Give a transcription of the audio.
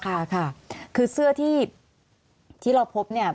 อ๋ออ๋ออ๋อค่ะค่ะคือเสื้อที่ที่เราพบเนี่ย